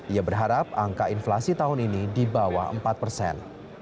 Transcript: ia berharap angka inflasi tahun ini di bawah empat persen